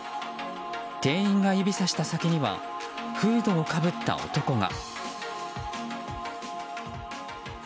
店員が指さした先にはフードをかぶった男が。